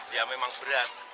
ya memang berat